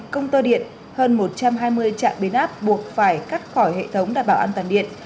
một công tơ điện hơn một trăm hai mươi trạng bến áp buộc phải cắt khỏi hệ thống đảm bảo an toàn điện